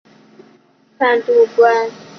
授签书建康军节度判官。